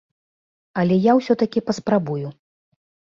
Але я ўсё-ткі паспрабую.